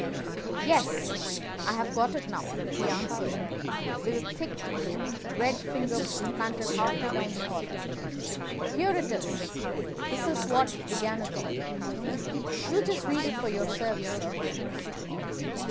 "Yes, I have got it now," he answered with his thick red finger planted halfway down the column. "Here it is. This is what began it all. You just read it for yourself, sir."